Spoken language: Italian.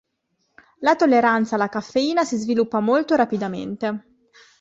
La tolleranza alla caffeina si sviluppa molto rapidamente.